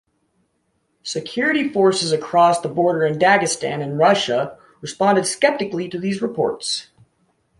Security forces across the border in Dagestan in Russia, responded sceptically to these reports.